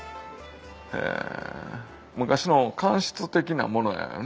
へぇ昔の乾漆的なものやろうね。